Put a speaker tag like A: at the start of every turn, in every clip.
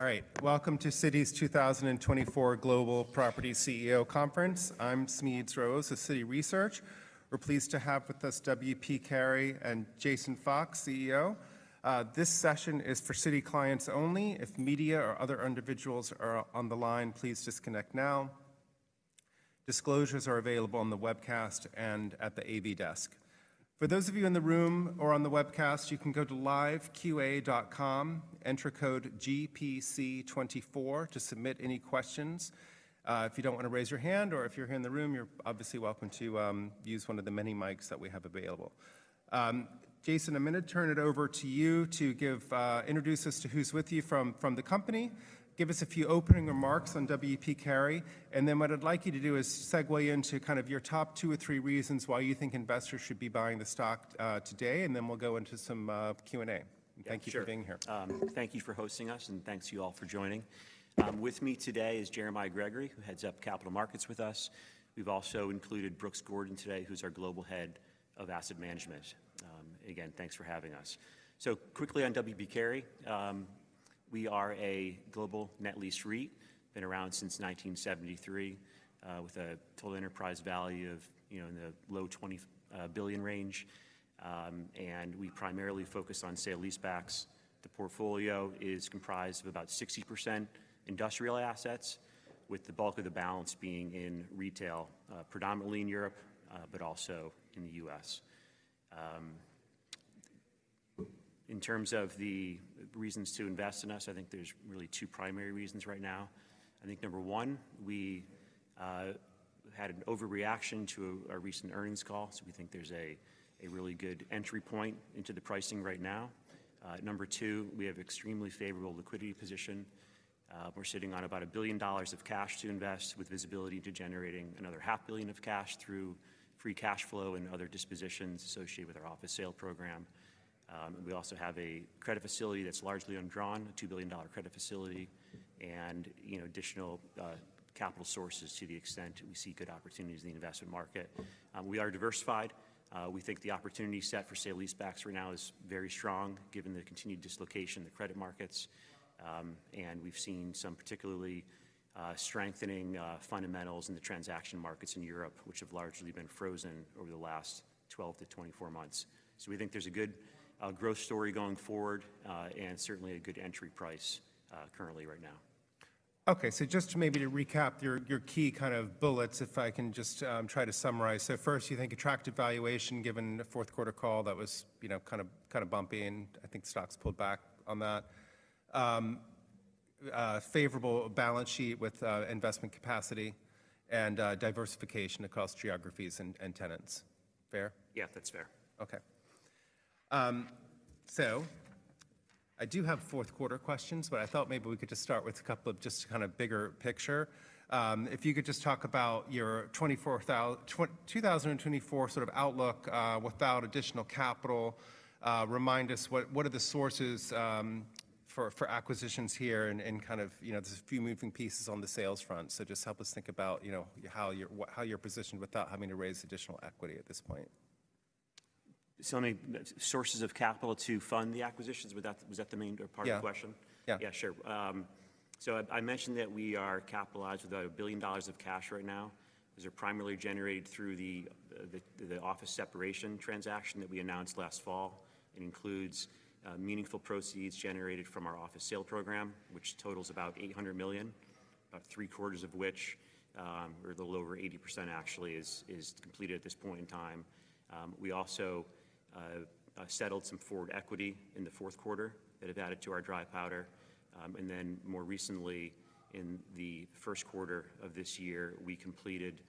A: All right, welcome to Citi's 2024 Global Property CEO Conference. I'm Smedes Rose of Citi Research. We're pleased to have with us W. P. Carey and Jason Fox, CEO. This session is for Citi clients only. If media or other individuals are on the line, please disconnect now. Disclosures are available on the webcast and at the AV desk. For those of you in the room or on the webcast, you can go to liveqa.com, enter code GPC24 to submit any questions. If you don't want to raise your hand, or if you're here in the room, you're obviously welcome to use one of the many mics that we have available. Jason, a minute, turn it over to you to introduce us to who's with you from the company. Give us a few opening remarks on W. P. Carey, and then what I'd like you to do is segue into kind of your top two or three reasons why you think investors should be buying the stock today, and then we'll go into some Q&A. Thank you for being here.
B: Sure. Thank you for hosting us, and thanks to you all for joining. With me today is Jeremiah Gregory, who heads up Capital Markets with us. We've also included Brooks Gordon today, who's our Global Head of Asset Management. Again, thanks for having us. So quickly on W. P. Carey, we are a global net lease REIT, been around since 1973, with a total enterprise value of in the low $20 billion range. And we primarily focus on sale-leasebacks. The portfolio is comprised of about 60% industrial assets, with the bulk of the balance being in retail, predominantly in Europe, but also in the U.S. In terms of the reasons to invest in us, I think there's really two primary reasons right now. I think number one, we had an overreaction to our recent earnings call, so we think there's a really good entry point into the pricing right now. Number two, we have an extremely favorable liquidity position. We're sitting on about $1 billion of cash to invest, with visibility to generating another $500 million of cash through free cash flow and other dispositions associated with our office sale program. We also have a credit facility that's largely undrawn, a $2 billion credit facility, and additional capital sources to the extent that we see good opportunities in the investment market. We are diversified. We think the opportunity set for sale leasebacks right now is very strong, given the continued dislocation in the credit markets. And we've seen some particularly strengthening fundamentals in the transaction markets in Europe, which have largely been frozen over the last 12-24 months. So we think there's a good growth story going forward and certainly a good entry price currently right now.
A: Okay, so just maybe to recap your key kind of bullets, if I can just try to summarize. So first, you think attractive valuation, given the fourth quarter call that was kind of bumpy, and I think stocks pulled back on that. Favorable balance sheet with investment capacity and diversification across geographies and tenants. Fair?
B: Yeah, that's fair.
A: Okay. So I do have fourth quarter questions, but I thought maybe we could just start with a couple of just kind of bigger picture. If you could just talk about your 2024 sort of outlook without additional capital, remind us what are the sources for acquisitions here, and kind of there's a few moving pieces on the sales front. So just help us think about how you're positioned without having to raise additional equity at this point.
B: So only sources of capital to fund the acquisitions. Was that the main part of the question?
A: Yeah.
B: Yeah, sure. So I mentioned that we are capitalized with about $1 billion of cash right now. Those are primarily generated through the office separation transaction that we announced last fall. It includes meaningful proceeds generated from our office sale program, which totals about $800 million, about three-quarters of which, or a little over 80% actually, is completed at this point in time. We also settled some forward equity in the fourth quarter that have added to our dry powder. And then more recently, in the first quarter of this year, we completed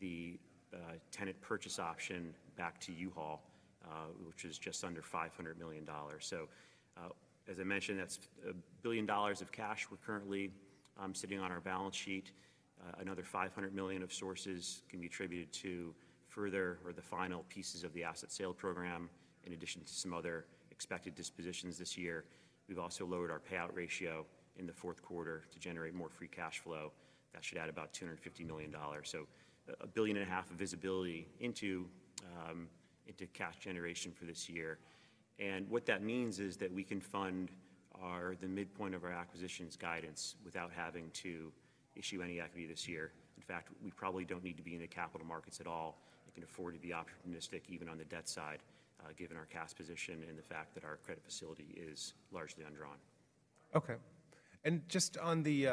B: the tenant purchase option back to U-Haul, which is just under $500 million. So as I mentioned, that's $1 billion of cash we're currently sitting on our balance sheet. Another $500 million of sources can be attributed to further or the final pieces of the asset sale program, in addition to some other expected dispositions this year. We've also lowered our payout ratio in the fourth quarter to generate more free cash flow. That should add about $250 million. So $1.5 billion of visibility into cash generation for this year. And what that means is that we can fund the midpoint of our acquisitions guidance without having to issue any equity this year. In fact, we probably don't need to be in the capital markets at all. It can afford to be opportunistic, even on the debt side, given our cash position and the fact that our credit facility is largely undrawn.
A: Okay. And just on the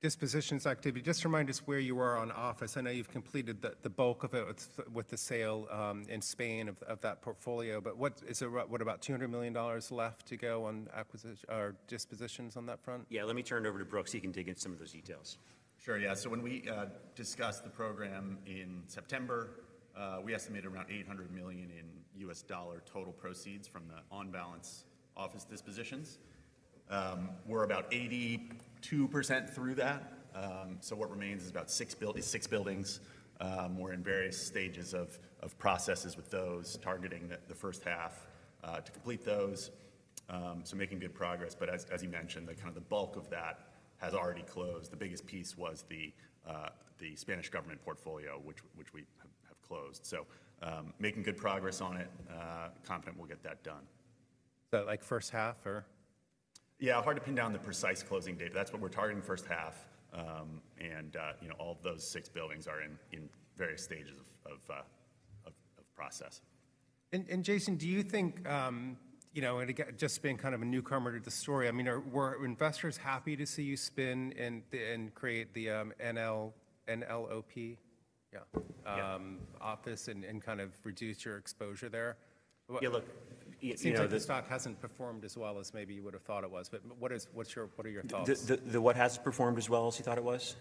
A: dispositions activity, just remind us where you are on office. I know you've completed the bulk of it with the sale in Spain of that portfolio, but what about $200 million left to go on dispositions on that front?
B: Yeah, let me turn it over to Brooks so he can dig into some of those details.
C: Sure, yeah. So when we discussed the program in September, we estimated around $800 million in US dollar total proceeds from the on-balance office dispositions. We're about 82% through that. So what remains is about six buildings. We're in various stages of processes with those, targeting the first half to complete those. So making good progress. But as you mentioned, kind of the bulk of that has already closed. The biggest piece was the Spanish government portfolio, which we have closed. So making good progress on it, confident we'll get that done.
B: Like first half, or?
C: Yeah, hard to pin down the precise closing date. That's what we're targeting, first half. All of those six buildings are in various stages of process.
A: Jason, do you think, and again, just being kind of a newcomer to the story, I mean, were investors happy to see you spin and create the NLOP office and kind of reduce your exposure there?
B: Yeah, look.
A: Seems like the stock hasn't performed as well as maybe you would have thought it was. What are your thoughts?
B: The what has performed as well as he thought it was?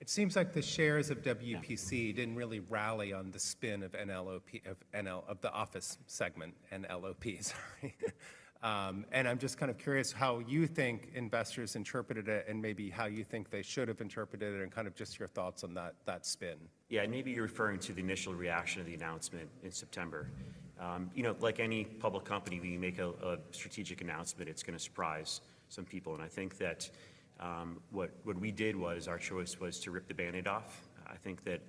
A: It seems like the shares of W. P. Carey didn't really rally on the spin of the office segment, NLOP, sorry. And I'm just kind of curious how you think investors interpreted it and maybe how you think they should have interpreted it and kind of just your thoughts on that spin.
B: Yeah, and maybe you're referring to the initial reaction to the announcement in September. Like any public company, when you make a strategic announcement, it's going to surprise some people. And I think that what we did was our choice was to rip the band-aid off. I think that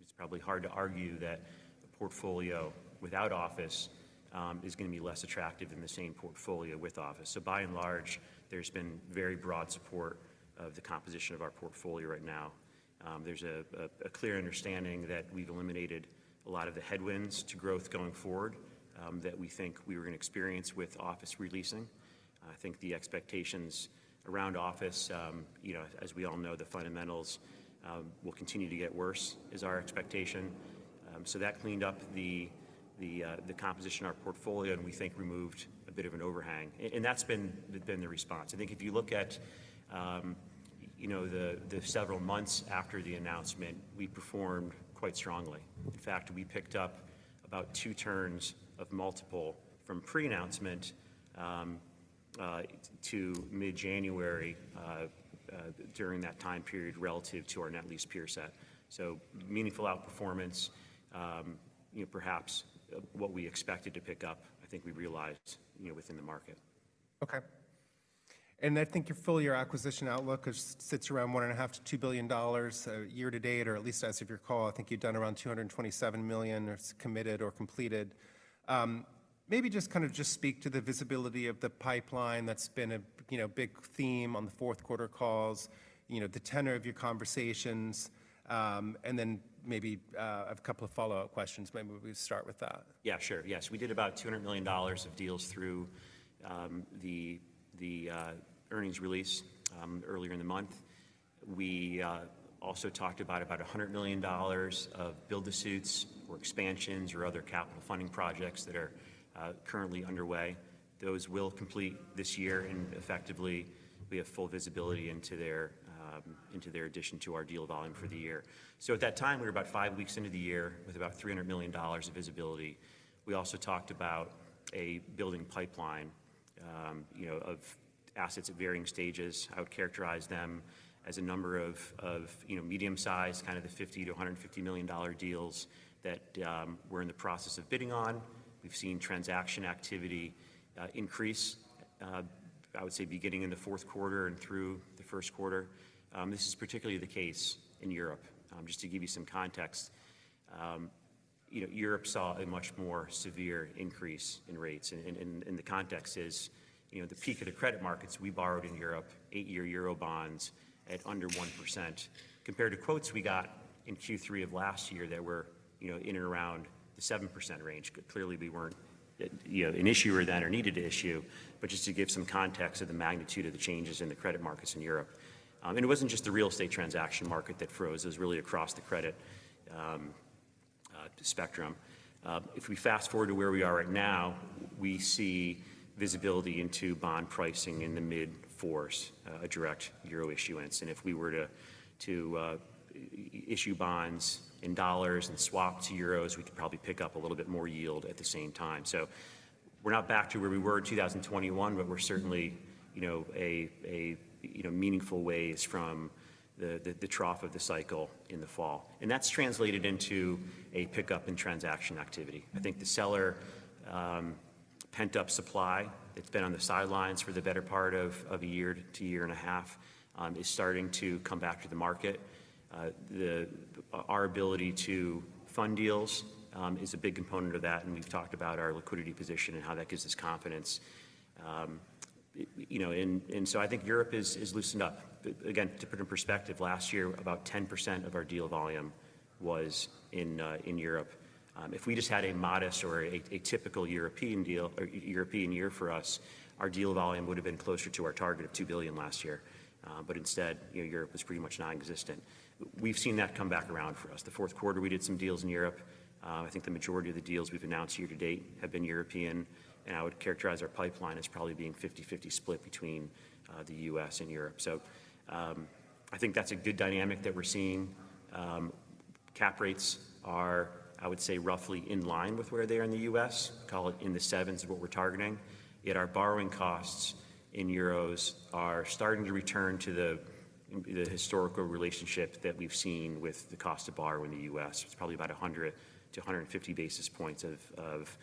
B: it's probably hard to argue that a portfolio without office is going to be less attractive than the same portfolio with office. So by and large, there's been very broad support of the composition of our portfolio right now. There's a clear understanding that we've eliminated a lot of the headwinds to growth going forward that we think we were going to experience with office releasing. I think the expectations around office, as we all know, the fundamentals will continue to get worse is our expectation. So that cleaned up the composition of our portfolio, and we think removed a bit of an overhang. And that's been the response. I think if you look at the several months after the announcement, we performed quite strongly. In fact, we picked up about 2 turns of multiple from pre-announcement to mid-January during that time period relative to our net lease peer set. So meaningful outperformance, perhaps what we expected to pick up, I think we realized within the market.
A: Okay. I think your full-year acquisition outlook sits around $1.5-$2 billion year to date, or at least as of your call. I think you've done around $227 million committed or completed. Maybe just kind of speak to the visibility of the pipeline. That's been a big theme on the fourth quarter calls, the tenor of your conversations. Then maybe I have a couple of follow-up questions. Maybe we start with that.
B: Yeah, sure. Yes, we did about $200 million of deals through the earnings release earlier in the month. We also talked about $100 million of build-outs or expansions or other capital funding projects that are currently underway. Those will complete this year, and effectively, we have full visibility into their addition to our deal volume for the year. So at that time, we were about five weeks into the year with about $300 million of visibility. We also talked about a building pipeline of assets at varying stages. I would characterize them as a number of medium-sized, kind of the $50-$150 million deals that we're in the process of bidding on. We've seen transaction activity increase, I would say, beginning in the fourth quarter and through the first quarter. This is particularly the case in Europe, just to give you some context. Europe saw a much more severe increase in rates. The context is the peak of the credit markets. We borrowed in Europe 8-year euro bonds at under 1% compared to quotes we got in Q3 of last year that were in and around the 7% range. Clearly, we weren't an issuer then or needed to issue. Just to give some context of the magnitude of the changes in the credit markets in Europe. It wasn't just the real estate transaction market that froze. It was really across the credit spectrum. If we fast forward to where we are right now, we see visibility into bond pricing in the mid-4s, a direct euro issuance. If we were to issue bonds in dollars and swap to euros, we could probably pick up a little bit more yield at the same time. So we're not back to where we were in 2021, but we're certainly a meaningful ways from the trough of the cycle in the fall. That's translated into a pickup in transaction activity. I think the seller pent-up supply that's been on the sidelines for the better part of a year to year and a half is starting to come back to the market. Our ability to fund deals is a big component of that, and we've talked about our liquidity position and how that gives us confidence. So I think Europe is loosened up. Again, to put in perspective, last year, about 10% of our deal volume was in Europe. If we just had a modest or a typical European year for us, our deal volume would have been closer to our target of $2 billion last year. But instead, Europe was pretty much nonexistent. We've seen that come back around for us. The fourth quarter, we did some deals in Europe. I think the majority of the deals we've announced year to date have been European. And I would characterize our pipeline as probably being 50/50 split between the U.S. and Europe. So I think that's a good dynamic that we're seeing. Cap rates are, I would say, roughly in line with where they are in the U.S. Call it in the sevens of what we're targeting. Yet our borrowing costs in euros are starting to return to the historical relationship that we've seen with the cost to borrow in the U.S. It's probably about 100-150 basis points of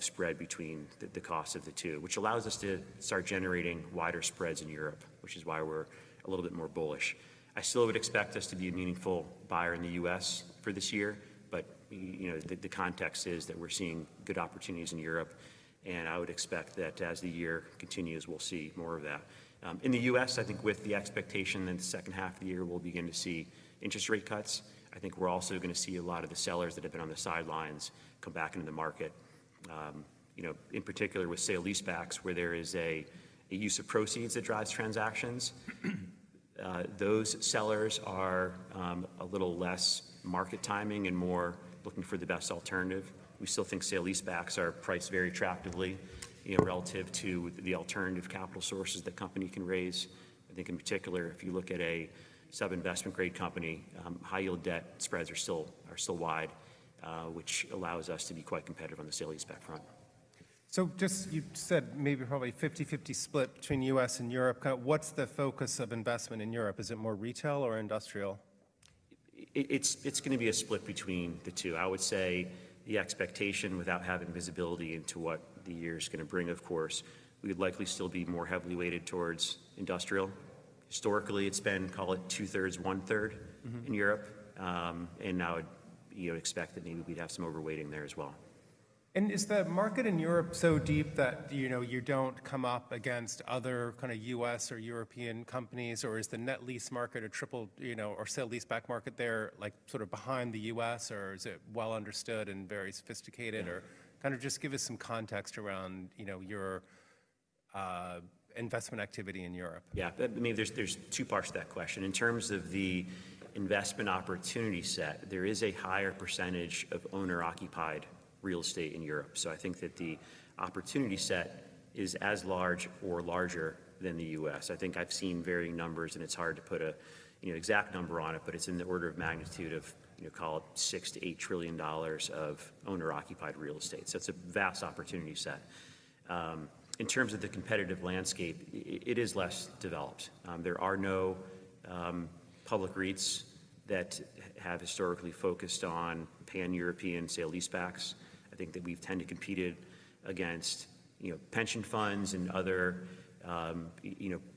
B: spread between the cost of the two, which allows us to start generating wider spreads in Europe, which is why we're a little bit more bullish. I still would expect us to be a meaningful buyer in the U.S. for this year, but the context is that we're seeing good opportunities in Europe. I would expect that as the year continues, we'll see more of that. In the U.S., I think with the expectation that the second half of the year we'll begin to see interest rate cuts, I think we're also going to see a lot of the sellers that have been on the sidelines come back into the market. In particular, with sale-leasebacks, where there is a use of proceeds that drives transactions, those sellers are a little less market timing and more looking for the best alternative. We still think sale-leasebacks are priced very attractively relative to the alternative capital sources that company can raise. I think in particular, if you look at a sub-investment grade company, high-yield debt spreads are still wide, which allows us to be quite competitive on the sale leaseback front.
A: Just, you said maybe probably a 50/50 split between the U.S. and Europe. Kind of, what's the focus of investment in Europe? Is it more retail or industrial?
B: It's going to be a split between the two. I would say the expectation without having visibility into what the year is going to bring, of course, we would likely still be more heavily weighted towards industrial. Historically, it's been, call it, 2/3, 1/3 in Europe. And I would expect that maybe we'd have some overweighting there as well.
A: Is the market in Europe so deep that you don't come up against other kind of U.S. or European companies, or is the net lease market a triple or sale-leaseback market there sort of behind the U.S., or is it well understood and very sophisticated? Or kind of just give us some context around your investment activity in Europe?
B: Yeah, I mean, there's two parts to that question. In terms of the investment opportunity set, there is a higher percentage of owner-occupied real estate in Europe. So I think that the opportunity set is as large or larger than the U.S. I think I've seen varying numbers, and it's hard to put an exact number on it, but it's in the order of magnitude of, call it, $6-$8 trillion of owner-occupied real estate. So it's a vast opportunity set. In terms of the competitive landscape, it is less developed. There are no public REITs that have historically focused on pan-European sale leasebacks. I think that we've tended to compete against pension funds and other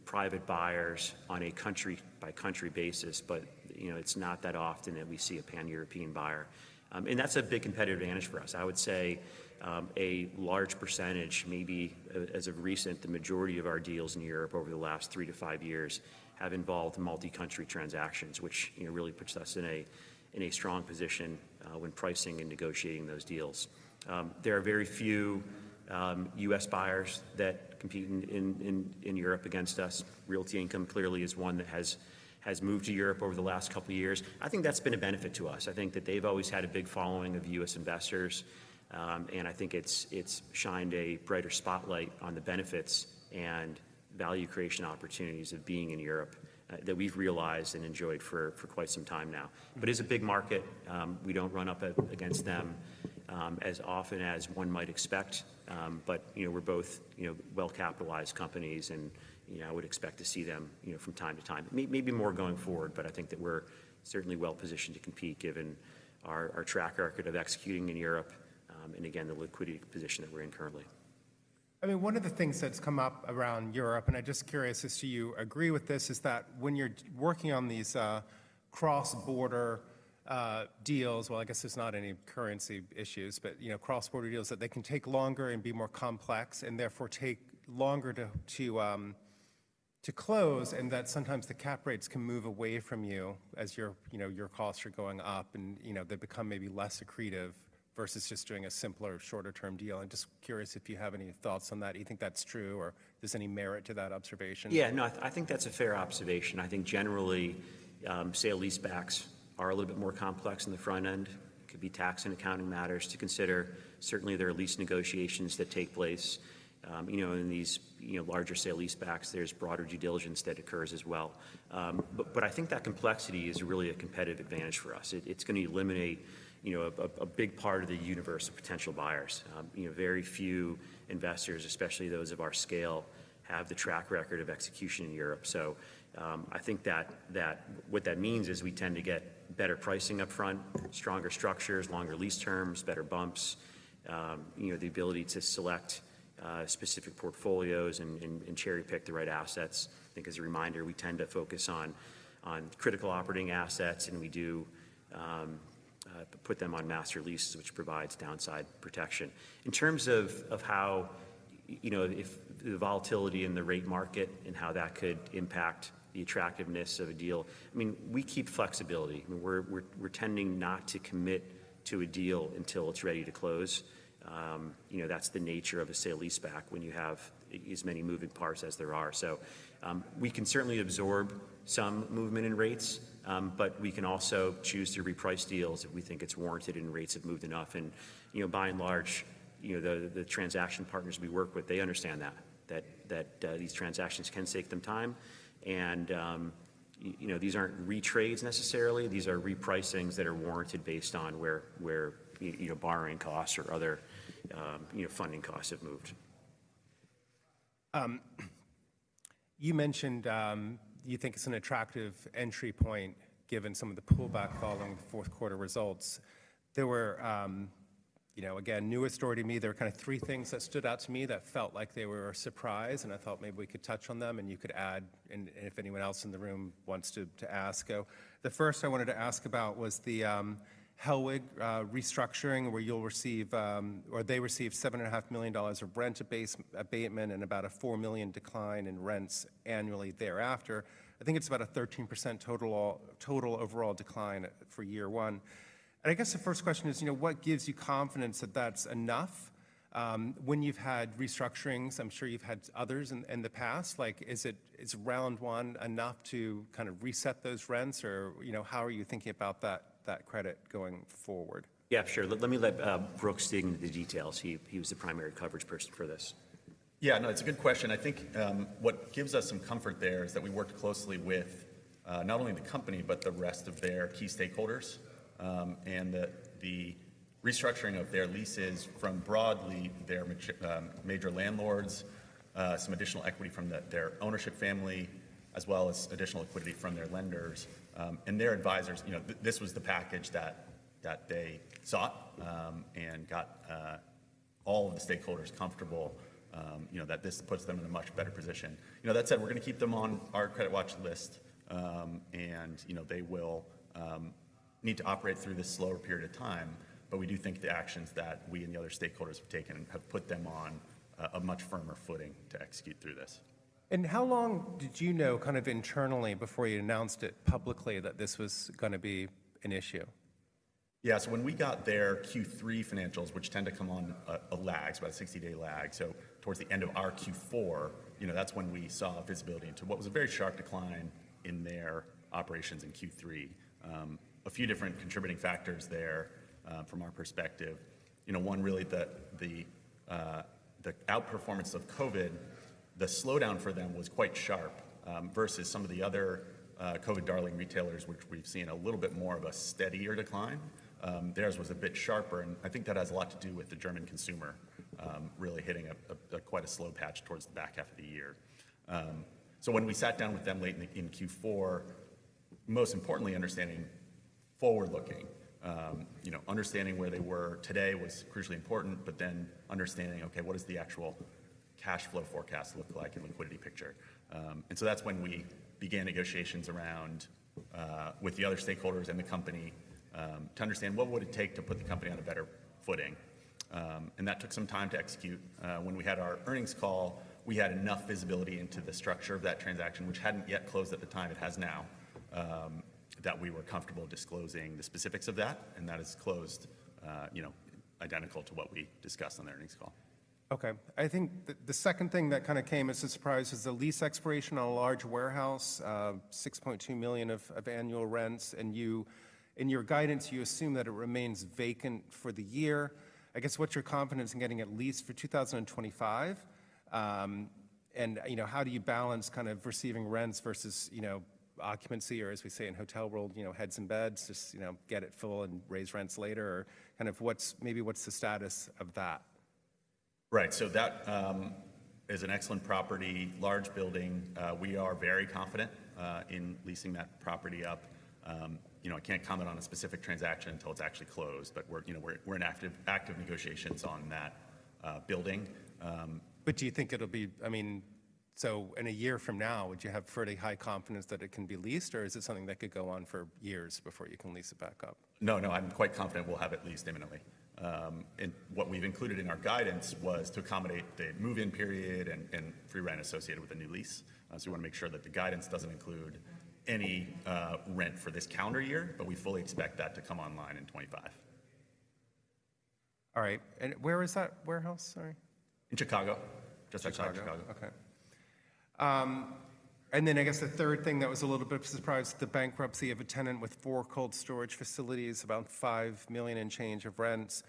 B: private buyers on a country-by-country basis, but it's not that often that we see a pan-European buyer. And that's a big competitive advantage for us. I would say a large percentage, maybe as of recent, the majority of our deals in Europe over the last 3-5 years have involved multi-country transactions, which really puts us in a strong position when pricing and negotiating those deals. There are very few U.S. buyers that compete in Europe against us. Realty Income clearly is one that has moved to Europe over the last couple of years. I think that's been a benefit to us. I think that they've always had a big following of U.S. investors, and I think it's shined a brighter spotlight on the benefits and value creation opportunities of being in Europe that we've realized and enjoyed for quite some time now. But it is a big market. We don't run up against them as often as one might expect, but we're both well-capitalized companies, and I would expect to see them from time to time. Maybe more going forward, but I think that we're certainly well-positioned to compete given our track record of executing in Europe and, again, the liquidity position that we're in currently.
A: I mean, one of the things that's come up around Europe - and I'm just curious as to you agree with this - is that when you're working on these cross-border deals - well, I guess there's not any currency issues, but cross-border deals - that they can take longer and be more complex and therefore take longer to close and that sometimes the cap rates can move away from you as your costs are going up and they become maybe less secretive versus just doing a simpler, shorter-term deal. I'm just curious if you have any thoughts on that. Do you think that's true, or is there any merit to that observation?
B: Yeah, no, I think that's a fair observation. I think generally, sale leasebacks are a little bit more complex in the front end. It could be tax and accounting matters to consider. Certainly, there are lease negotiations that take place. In these larger sale leasebacks, there's broader due diligence that occurs as well. But I think that complexity is really a competitive advantage for us. It's going to eliminate a big part of the universe of potential buyers. Very few investors, especially those of our scale, have the track record of execution in Europe. So I think that what that means is we tend to get better pricing upfront, stronger structures, longer lease terms, better bumps, the ability to select specific portfolios and cherry-pick the right assets. I think as a reminder, we tend to focus on critical operating assets, and we do put them on master leases, which provides downside protection. In terms of how, if the volatility in the rate market and how that could impact the attractiveness of a deal, I mean, we keep flexibility. I mean, we're tending not to commit to a deal until it's ready to close. That's the nature of a sale leaseback when you have as many moving parts as there are. So we can certainly absorb some movement in rates, but we can also choose to reprice deals if we think it's warranted and rates have moved enough. By and large, the transaction partners we work with, they understand that these transactions can take them time. These aren't retrades necessarily. These are repricings that are warranted based on where borrowing costs or other funding costs have moved.
A: You mentioned you think it's an attractive entry point given some of the pullback following the fourth quarter results. There were, again, news to me. There were kind of three things that stood out to me that felt like they were a surprise, and I thought maybe we could touch on them, and you could add, and if anyone else in the room wants to ask. The first I wanted to ask about was the Hellweg restructuring where you'll receive or they receive $7.5 million of rent abatement and about a $4 million decline in rents annually thereafter. I think it's about a 13% total overall decline for year one. And I guess the first question is, what gives you confidence that that's enough? When you've had restructurings - I'm sure you've had others in the past - is round one enough to kind of reset those rents, or how are you thinking about that credit going forward?
B: Yeah, sure. Let me let Brooks dig into the details. He was the primary coverage person for this.
C: Yeah, no, it's a good question. I think what gives us some comfort there is that we worked closely with not only the company but the rest of their key stakeholders and the restructuring of their leases from broadly their major landlords, some additional equity from their ownership family, as well as additional liquidity from their lenders, and their advisors. This was the package that they sought and got all of the stakeholders comfortable that this puts them in a much better position. That said, we're going to keep them on our credit watch list, and they will need to operate through this slower period of time. But we do think the actions that we and the other stakeholders have taken have put them on a much firmer footing to execute through this.
A: How long did you know kind of internally before you announced it publicly that this was going to be an issue?
C: Yeah, so when we got their Q3 financials, which tend to come on a lag, about a 60-day lag, so towards the end of our Q4, that's when we saw visibility into what was a very sharp decline in their operations in Q3. A few different contributing factors there from our perspective. One, really, the outperformance of COVID. The slowdown for them was quite sharp versus some of the other COVID darling retailers, which we've seen a little bit more of a steadier decline. Theirs was a bit sharper, and I think that has a lot to do with the German consumer really hitting quite a slow patch towards the back half of the year. So when we sat down with them late in Q4, most importantly, understanding forward-looking, understanding where they were today was crucially important, but then understanding, okay, what does the actual cash flow forecast look like and liquidity picture? And so that's when we began negotiations with the other stakeholders and the company to understand what would it take to put the company on a better footing. And that took some time to execute. When we had our earnings call, we had enough visibility into the structure of that transaction, which hadn't yet closed at the time. It has now that we were comfortable disclosing the specifics of that, and that has closed identical to what we discussed on the earnings call.
A: Okay. I think the second thing that kind of came as a surprise is the lease expiration on a large warehouse, $6.2 million of annual rents. And in your guidance, you assume that it remains vacant for the year. I guess what's your confidence in getting it leased for 2025? And how do you balance kind of receiving rents versus occupancy or, as we say in hotel world, heads and beds, just get it full and raise rents later? Or kind of maybe what's the status of that?
C: Right. So that is an excellent property, large building. We are very confident in leasing that property up. I can't comment on a specific transaction until it's actually closed, but we're in active negotiations on that building.
A: But do you think it'll be—I mean, so in a year from now, would you have pretty high confidence that it can be leased, or is it something that could go on for years before you can lease it back up?
B: No, no, I'm quite confident we'll have it leased imminently. And what we've included in our guidance was to accommodate the move-in period and free rent associated with a new lease. So we want to make sure that the guidance doesn't include any rent for this calendar year, but we fully expect that to come online in 2025.
A: All right. And where is that warehouse? Sorry.
B: In Chicago, just outside Chicago.
A: Okay. And then, I guess, the third thing that was a little bit of a surprise, the bankruptcy of a tenant with four cold storage facilities, about $5 million and change of rents.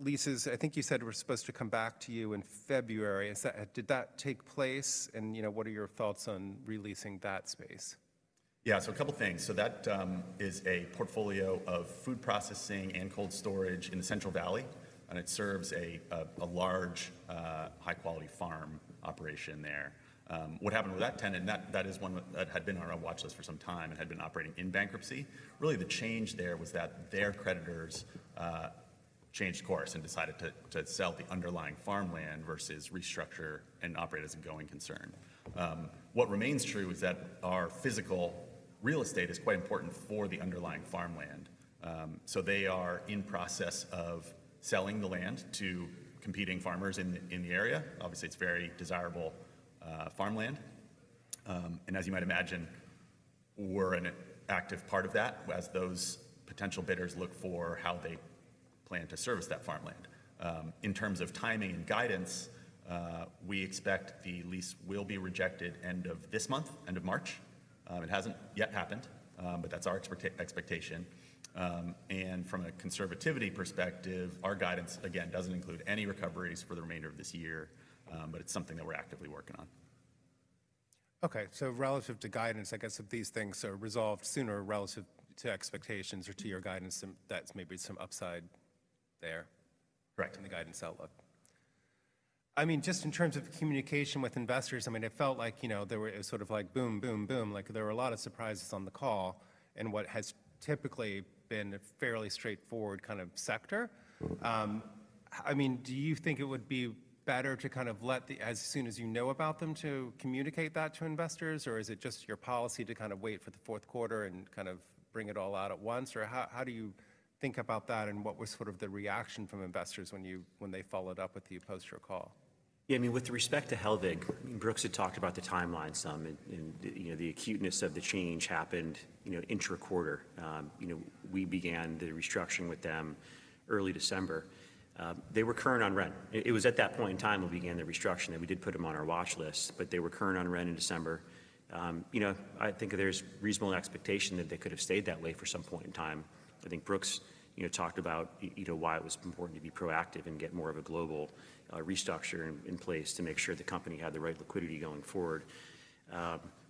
A: Leases, I think you said, were supposed to come back to you in February. Did that take place, and what are your thoughts on releasing that space?
B: Yeah, so a couple of things. So that is a portfolio of food processing and cold storage in the Central Valley, and it serves a large, high-quality farm operation there. What happened with that tenant - and that is one that had been on our watch list for some time and had been operating in bankruptcy - really, the change there was that their creditors changed course and decided to sell the underlying farmland versus restructure and operate as a going concern. What remains true is that our physical real estate is quite important for the underlying farmland. So they are in process of selling the land to competing farmers in the area. Obviously, it's very desirable farmland. And as you might imagine, we're an active part of that as those potential bidders look for how they plan to service that farmland. In terms of timing and guidance, we expect the lease will be rejected end of this month, end of March. It hasn't yet happened, but that's our expectation. From a conservatism perspective, our guidance, again, doesn't include any recoveries for the remainder of this year, but it's something that we're actively working on.
A: Okay. So relative to guidance, I guess if these things are resolved sooner relative to expectations or to your guidance, that's maybe some upside there in the guidance outlook.
B: Correct.
A: I mean, just in terms of communication with investors, I mean, it felt like it was sort of like boom, boom, boom. There were a lot of surprises on the call in what has typically been a fairly straightforward kind of sector. I mean, do you think it would be better to kind of let them as soon as you know about them to communicate that to investors, or is it just your policy to kind of wait for the fourth quarter and kind of bring it all out at once? Or how do you think about that, and what was sort of the reaction from investors when they followed up with you post your call?
B: Yeah, I mean, with respect to Hellweg, I mean, Brooks had talked about the timeline some, and the acuteness of the change happened intra-quarter. We began the restructuring with them early December. They were current on rent. It was at that point in time we began the restructuring that we did put them on our watch list, but they were current on rent in December. I think there's reasonable expectation that they could have stayed that way for some point in time. I think Brooks talked about why it was important to be proactive and get more of a global restructure in place to make sure the company had the right liquidity going forward.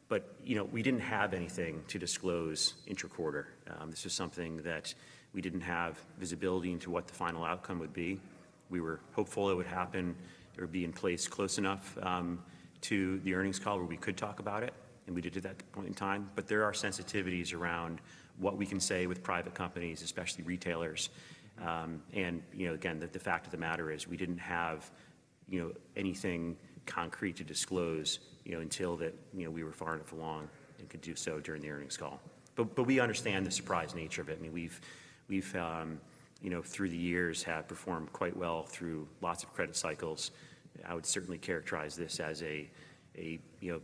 B: But we didn't have anything to disclose intra-quarter. This was something that we didn't have visibility into what the final outcome would be. We were hopeful it would happen. It would be in place close enough to the earnings call where we could talk about it, and we did at that point in time. But there are sensitivities around what we can say with private companies, especially retailers. And again, the fact of the matter is we didn't have anything concrete to disclose until that we were far enough along and could do so during the earnings call. But we understand the surprise nature of it. I mean, we've, through the years, performed quite well through lots of credit cycles. I would certainly characterize this as a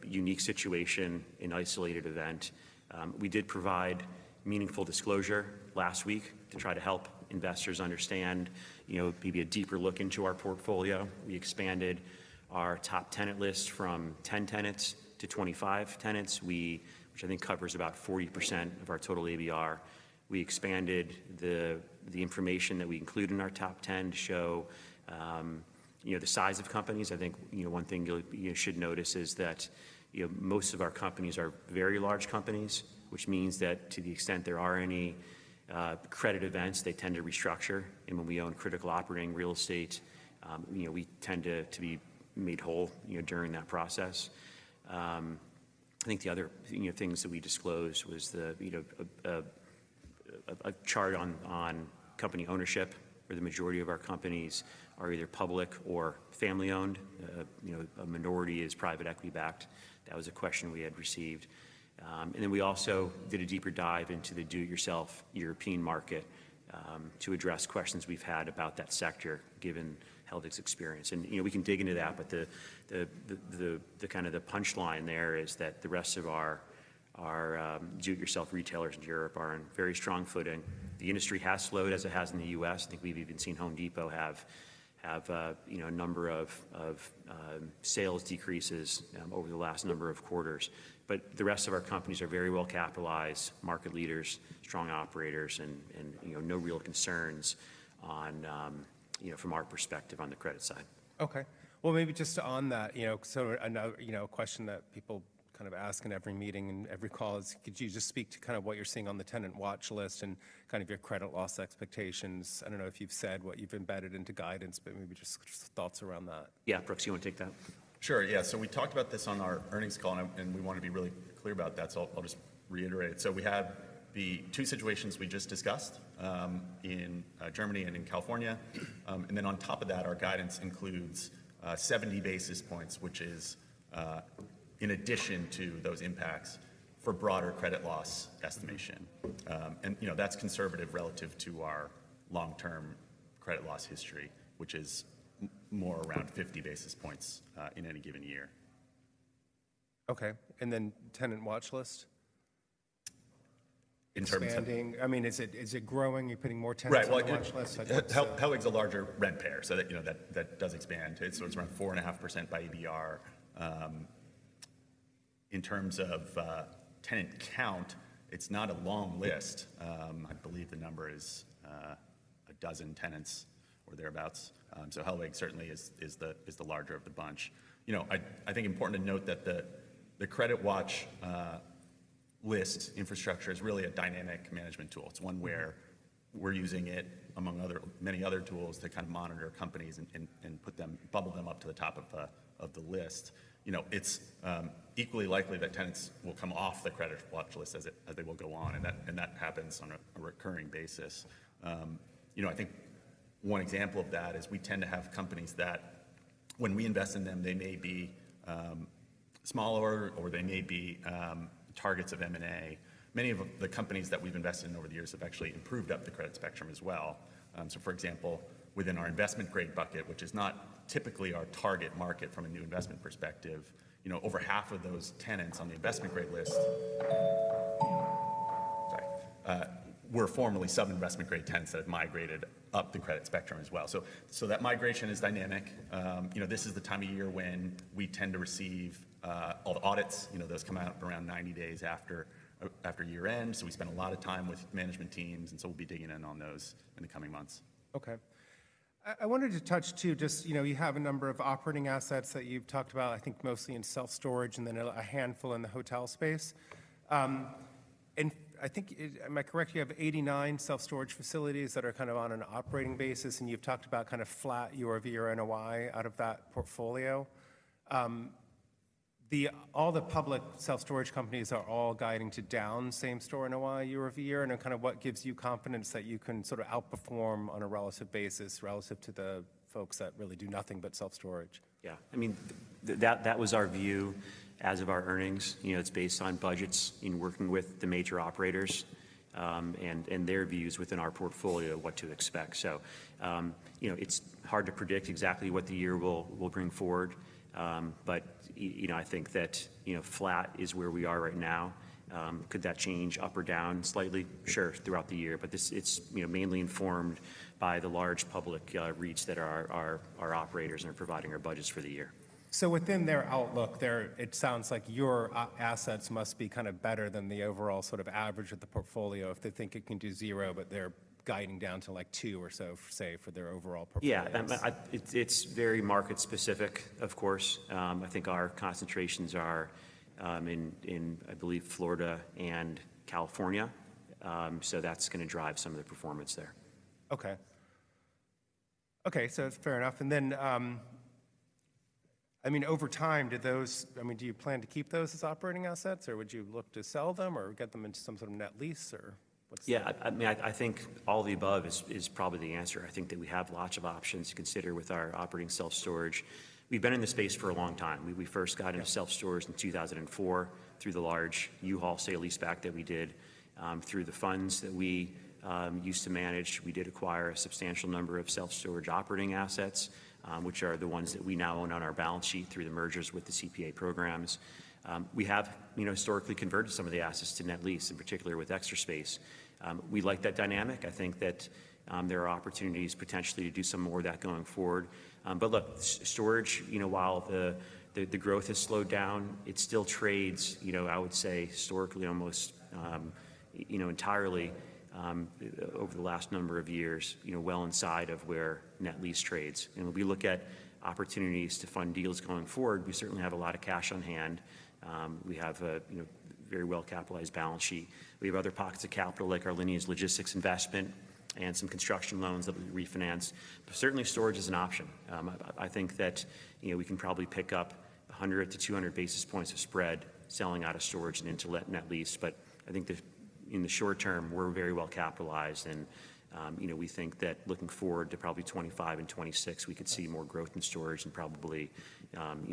B: unique situation, an isolated event. We did provide meaningful disclosure last week to try to help investors understand maybe a deeper look into our portfolio. We expanded our top tenant list from 10 tenants to 25 tenants, which I think covers about 40% of our total ABR. We expanded the information that we include in our top 10 to show the size of companies. I think one thing you should notice is that most of our companies are very large companies, which means that to the extent there are any credit events, they tend to restructure. And when we own critical operating real estate, we tend to be made whole during that process. I think the other things that we disclosed was a chart on company ownership where the majority of our companies are either public or family-owned. A minority is private equity-backed. That was a question we had received. And then we also did a deeper dive into the do-it-yourself European market to address questions we've had about that sector given Hellweg's experience. We can dig into that, but kind of the punchline there is that the rest of our do-it-yourself retailers in Europe are on very strong footing. The industry has slowed as it has in the U.S. I think we've even seen Home Depot have a number of sales decreases over the last number of quarters. But the rest of our companies are very well-capitalized, market leaders, strong operators, and no real concerns from our perspective on the credit side.
A: Okay. Well, maybe just on that, sort of another question that people kind of ask in every meeting and every call is, could you just speak to kind of what you're seeing on the tenant watch list and kind of your credit loss expectations? I don't know if you've said what you've embedded into guidance, but maybe just thoughts around that.
B: Yeah, Brooks, you want to take that?
C: Sure. Yeah, so we talked about this on our earnings call, and we want to be really clear about that. So I'll just reiterate it. So we have the two situations we just discussed in Germany and in California. And then on top of that, our guidance includes 70 basis points, which is in addition to those impacts for broader credit loss estimation. And that's conservative relative to our long-term credit loss history, which is more around 50 basis points in any given year.
A: Okay. And then tenant watch list?
C: In terms of?
A: Expanding. I mean, is it growing? Are you putting more tenants on the watch list?
C: Right. Well, Hellweg's a larger retailer, so that does expand. It's around 4.5% by ABR. In terms of tenant count, it's not a long list. I believe the number is a dozen tenants or thereabouts. So Hellweg certainly is the larger of the bunch. I think important to note that the credit watch list infrastructure is really a dynamic management tool. It's one where we're using it, among many other tools, to kind of monitor companies and bubble them up to the top of the list. It's equally likely that tenants will come off the credit watch list as they will go on, and that happens on a recurring basis. I think one example of that is we tend to have companies that when we invest in them, they may be smaller or they may be targets of M&A. Many of the companies that we've invested in over the years have actually improved up the credit spectrum as well. So, for example, within our investment-grade bucket, which is not typically our target market from a new investment perspective, over half of those tenants on the investment-grade list, sorry, were formerly sub-investment-grade tenants that have migrated up the credit spectrum as well. So that migration is dynamic. This is the time of year when we tend to receive all the audits. Those come out around 90 days after year-end. So we spend a lot of time with management teams, and so we'll be digging in on those in the coming months.
A: Okay. I wanted to touch too just you have a number of operating assets that you've talked about, I think mostly in self-storage and then a handful in the hotel space. And I think, am I correct, you have 89 self-storage facilities that are kind of on an operating basis, and you've talked about kind of flat year-over-year NOI out of that portfolio. All the public self-storage companies are all guiding to down same-store NOI year-over-year. And kind of what gives you confidence that you can sort of outperform on a relative basis relative to the folks that really do nothing but self-storage?
B: Yeah. I mean, that was our view as of our earnings. It's based on budgets, working with the major operators, and their views within our portfolio of what to expect. So it's hard to predict exactly what the year will bring forward, but I think that flat is where we are right now. Could that change up or down slightly? Sure, throughout the year. But it's mainly informed by the large public REITs that our operators are providing our budgets for the year.
A: Within their outlook, it sounds like your assets must be kind of better than the overall sort of average of the portfolio if they think it can do 0, but they're guiding down to like 2 or so, say, for their overall portfolio.
B: Yeah. It's very market-specific, of course. I think our concentrations are in, I believe, Florida and California. So that's going to drive some of the performance there.
A: Okay. Okay. So fair enough. And then, I mean, over time, I mean, do you plan to keep those as operating assets, or would you look to sell them or get them into some sort of net lease, or what's the?
B: Yeah. I mean, I think all the above is probably the answer. I think that we have lots of options to consider with our operating self-storage. We've been in the space for a long time. We first got into self-storage in 2004 through the large U-Haul sale-leaseback that we did. Through the funds that we used to manage, we did acquire a substantial number of self-storage operating assets, which are the ones that we now own on our balance sheet through the mergers with the CPA programs. We have historically converted some of the assets to net lease, in particular with Extra Space. We like that dynamic. I think that there are opportunities potentially to do some more of that going forward. But look, storage, while the growth has slowed down, it still trades, I would say, historically almost entirely over the last number of years well inside of where net lease trades. And when we look at opportunities to fund deals going forward, we certainly have a lot of cash on hand. We have a very well-capitalized balance sheet. We have other pockets of capital like our Lineage Logistics investment and some construction loans that we refinance. But certainly, storage is an option. I think that we can probably pick up 100-200 basis points of spread selling out of storage and into net lease. But I think that in the short term, we're very well-capitalized, and we think that looking forward to probably 2025 and 2026, we could see more growth in storage and probably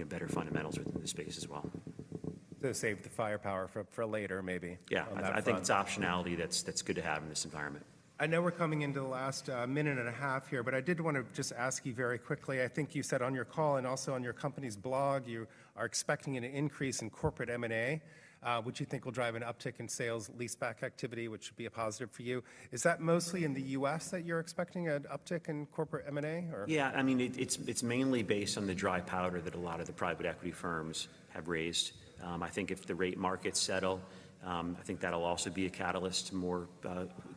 B: better fundamentals within the space as well.
A: So save the firepower for later, maybe, on that front?
B: Yeah. I think it's optionality that's good to have in this environment.
A: I know we're coming into the last minute and a half here, but I did want to just ask you very quickly. I think you said on your call and also on your company's blog you are expecting an increase in corporate M&A, which you think will drive an uptick in sale-leaseback activity, which would be a positive for you. Is that mostly in the U.S. that you're expecting an uptick in corporate M&A, or?
B: Yeah. I mean, it's mainly based on the dry powder that a lot of the private equity firms have raised. I think if the rate markets settle, I think that'll also be a catalyst to more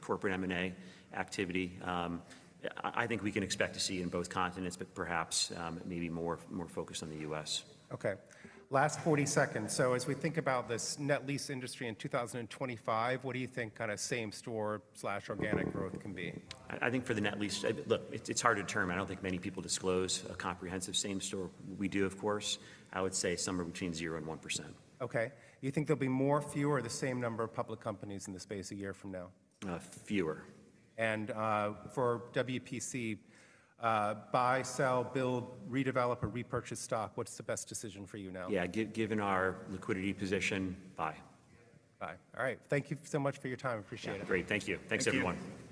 B: corporate M&A activity. I think we can expect to see in both continents, but perhaps maybe more focused on the U.S.
A: Okay. Last 40 seconds. So as we think about this net lease industry in 2025, what do you think kind of same-store/organic growth can be?
B: I think for the net lease look, it's hard to determine. I don't think many people disclose a comprehensive same-store. We do, of course. I would say somewhere between 0% and 1%.
A: Okay. You think there'll be more, fewer, or the same number of public companies in the space a year from now?
B: Fewer.
A: For WPC, buy, sell, build, redevelop, or repurchase stock, what's the best decision for you now?
B: Yeah. Given our liquidity position, buy.
A: Buy. All right. Thank you so much for your time. Appreciate it.
B: Yeah. Great. Thank you. Thanks, everyone.